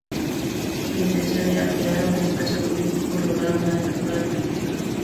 Su intención era crear un espacio político y lograr una apertura política.